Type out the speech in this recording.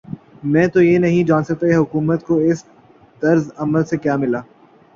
میں تو یہ نہیں جان سکا کہ حکومت کو اس طرز عمل سے کیا ملا؟